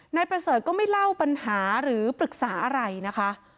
นายประเสริฐก็ไม่เล่าปัญหาหรือปรึกษาอะไรนะคะ